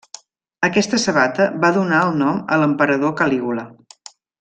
Aquesta sabata va donar el nom a l'emperador Calígula.